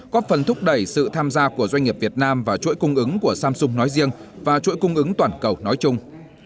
có phần thúc đẩy sự tham gia của doanh nghiệp việt nam và chuỗi cung ứng của samsung nói riêng và chuỗi cung ứng toàn cầu nói chung